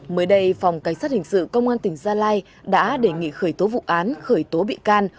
mới đây phòng cảnh sát hình sự công an tỉnh gia lai đã đề nghị khởi tố vụ án khởi tố bị can